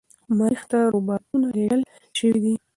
مریخ ته روباتونه لیږل شوي دي.